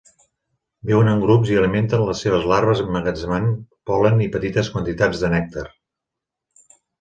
Viuen en grups i alimenten les seves larves emmagatzemant pol·len i petites quantitats de nèctar.